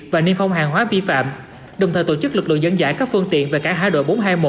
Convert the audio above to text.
và niên phong hàng hóa vi phạm đồng thời tổ chức lực lượng dẫn dãi các phương tiện về cả hải đội bốn trăm hai mươi một